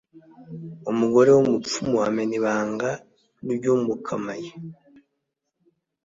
umugore w'umupfu amena ibanga ry'umukamaye